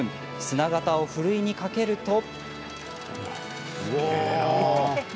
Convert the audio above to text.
砂型をふるいにかけると。